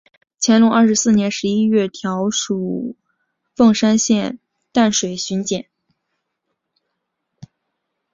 乾隆二十四年十一月调署凤山县下淡水巡检。